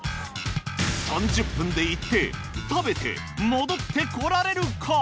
３０分で行って食べて戻ってこられるか！？